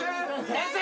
先生！